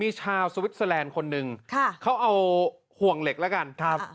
มีชาวสวิสเตอร์แลนด์คนหนึ่งเขาเอาห่วงเหล็กแล้วกันครับ